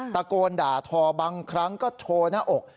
ตะโกนด่าทอบางครั้งก็โชว์หน้าอก